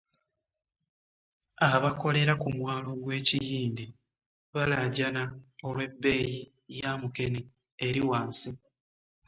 Abakolera ku mwalo gw'e Kiyindi balajaana olw'ebbeyi yamukene eri wansi.